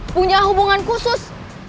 punya hubungan khusus